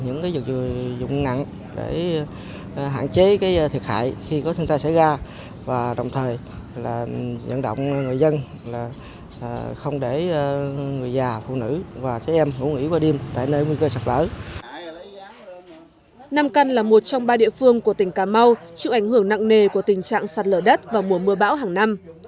năm căn là một trong ba địa phương của tỉnh cà mau chịu ảnh hưởng nặng nề của tình trạng sạt lở đất vào mùa mưa bão hàng năm